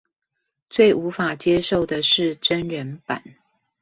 最無法接受的是真人版